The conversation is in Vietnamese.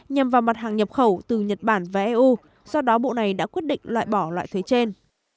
nhằm vào mặt hàng nhập khẩu từ nhật bản và eu do đó bộ này đã quyết định loại bỏ loại thuế trên